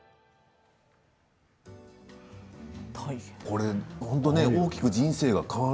これ本当ね大きく人生が変わる。